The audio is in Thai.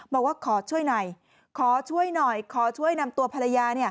บอกว่าขอช่วยหน่อยขอช่วยหน่อยขอช่วยนำตัวภรรยา